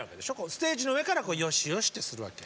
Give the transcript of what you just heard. ステージの上からよしよしってするわけ？